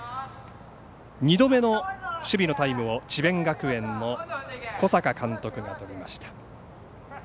２度目の守備のタイムを智弁学園の小坂監督が取りました。